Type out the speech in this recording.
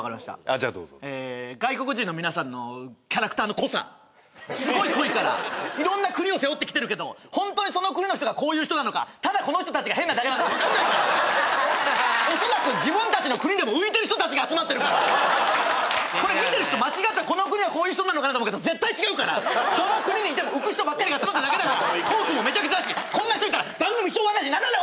じゃあどうぞ外国人の皆さんのキャラクターの濃さすごい濃いから色んな国を背負って来てるけどホントにその国の人がこういう人なのかただこの人たちが変なだけなのか分かんないからおそらく自分たちの国でも浮いてる人たちが集まってるから見てる人この国はこういう人なのかなと思うけど絶対違うからどの国にいても浮く人ばっかりが集まってるだけだからトークもめちゃくちゃだしこんな人いたら番組しょうがないし何なんだ